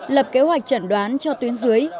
lập kế hoạch trần đoán cho tuyến dưới